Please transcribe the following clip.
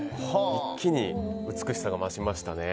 一気に美しさが増しましたね。